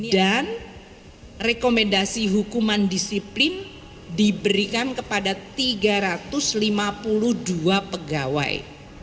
dan rekomendasi hukuman disiplin diberikan kepada tiga ratus lima puluh dua pegawai